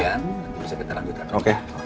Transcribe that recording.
nanti bisa kita lanjutkan